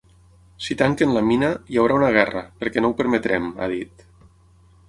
Si tanquen la mina, hi haurà una guerra, perquè no ho permetrem, ha dit.